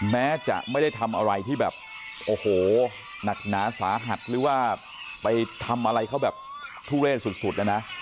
แม้จะไม่ได้ทำอะไรที่แบบโอ้โหหนักหนาสาหัสหรือว่าไปทำอะไรเขาแบบทุเรศสุดนะนะ